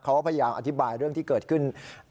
พยายามอธิบายเรื่องที่เกิดขึ้น